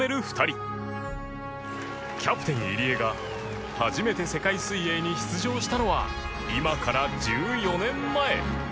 キャプテン入江が初めて世界水泳に出場したのは今から１４年前